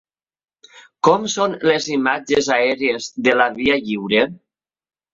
Com són les imatges aèries de la Via Lliure?